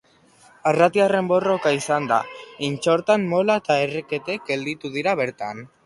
Arratiarren borroka izan da Intxortan Mola ta erreketek gelditu dira bertan.